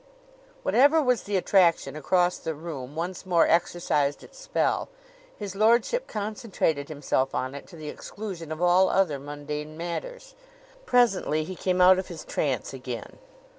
Whatever was the attraction across the room once more exercised its spell. His lordship concentrated himself on it to the exclusion of all other mundane matters. Presently he came out of his trance again.